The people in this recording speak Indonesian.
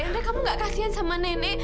dre kamu nggak kasihan sama nenek